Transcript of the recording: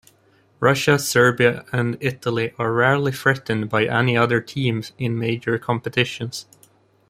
Russia, Serbia and Italy are rarely threatened by any other team in major competitions.